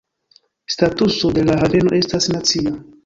Statuso de la haveno estas "nacia".